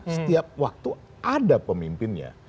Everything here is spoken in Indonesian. setiap waktu ada pemimpinnya